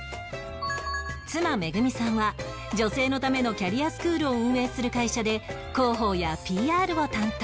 妻恵さんは女性のためのキャリアスクールを運営する会社で広報や ＰＲ を担当